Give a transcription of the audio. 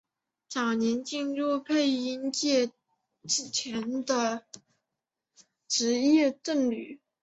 早年进入配音业界之前的职业是僧侣。